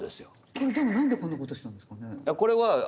これでも何でこんな事したんですかね？